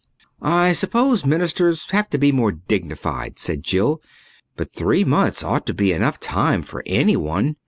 "I suppose ministers have to be more dignified," said Jill, "but three months ought to be enough time for anyone.